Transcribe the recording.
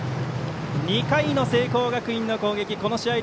２回の聖光学院の攻撃この試合